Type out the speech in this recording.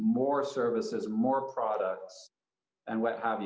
lebih banyak produk dan sebagainya